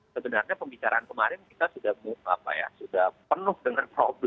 sebenarnya pembicaraan kemarin kita sudah penuh dengan problem